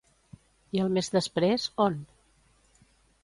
I al mes després, on?